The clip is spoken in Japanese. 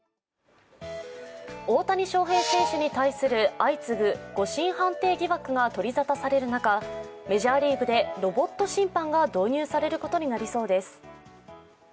大谷翔平選手に対する相次ぐ誤審判定疑惑が取りざたされる中メジャーリーグでロボット審判が導入されることになりそうです。